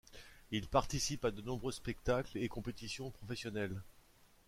Ils participent à de nombreux spectacles et compétitions professionnelles.